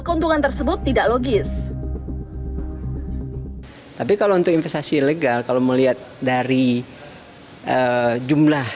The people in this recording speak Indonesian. keuntungan tersebut tidak logis tapi kalau untuk investasi ilegal kalau melihat dari jumlah